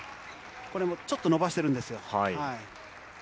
これもちょっと伸ばしてるんですよ。